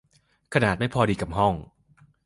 ขนาดไม่พอดีกับห้อง